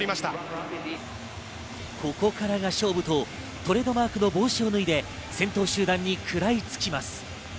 ここからが勝負と、トレードマークの帽子を脱いで先頭集団に食らいつきます。